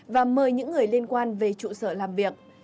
và mời những người liên quan về trụ sở làm việc